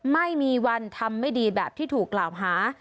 ไม่มีวันทำไม่ดีแบบที่ถูกกล่าวหา